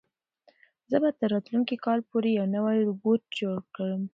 زه به تر راتلونکي کال پورې یو نوی روبوټ جوړ کړم.